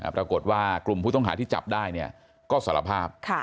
ปรากฏว่ากลุ่มผู้ต้องหาที่จับได้ก็สารภาพ